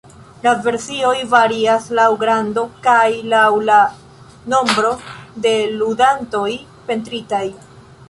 La versioj varias laŭ grando kaj laŭ la nombro de ludantoj pentritaj.